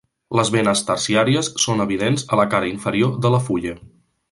Les venes terciàries són evidents a la cara inferior de la fulla.